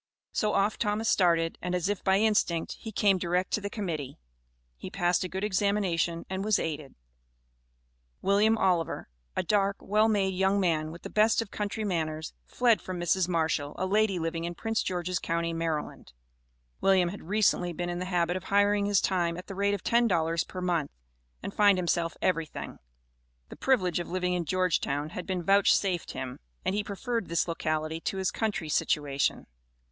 So off Thomas started, and as if by instinct, he came direct to the Committee. He passed a good examination and was aided. William Oliver, a dark, well made, young man with the best of country manners, fled from Mrs. Marshall, a lady living in Prince George's county, Maryland. William had recently been in the habit of hiring his time at the rate of ten dollars per month, and find himself everything. The privilege of living in Georgetown had been vouchsafed him, and he preferred this locality to his country situation.